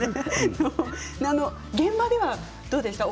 現場ではどうでしたか？